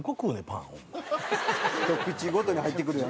ひと口ごとに入ってくるよね。